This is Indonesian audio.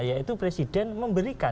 yaitu presiden memberikan